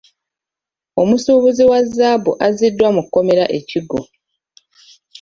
Omusuubuzi wa zzaabu azziddwa mu kkomera e Kigo.